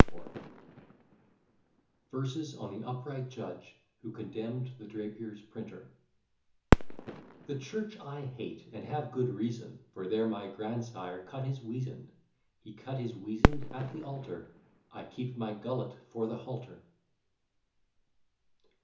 VERSES ON THE UPRIGHT JUDGE, WHO CONDEMNED THE DRAPIER'S PRINTER The church I hate, and have good reason, For there my grandsire cut his weasand: He cut his weasand at the altar; I keep my gullet for the halter.